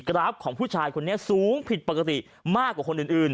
ราฟของผู้ชายคนนี้สูงผิดปกติมากกว่าคนอื่น